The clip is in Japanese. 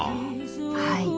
はい。